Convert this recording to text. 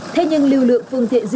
thế nhưng lưu lượng phương thiện gì